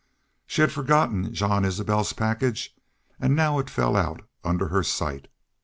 She had forgotten Jean Isbel's package, and now it fell out under her sight.